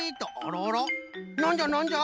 なんじゃなんじゃ？